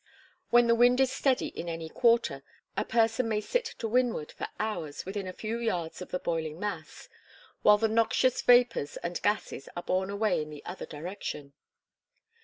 When the wind is steady in any quarter, a person may sit to windward for hours within a few yards of the boiling mass, while the noxious vapors and gases are borne away in the other direction.